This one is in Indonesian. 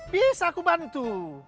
bisa aku bantu